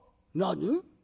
何？